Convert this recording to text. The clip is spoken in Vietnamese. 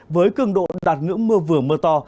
với cường độ đạt ngưỡng mưa vừa mưa to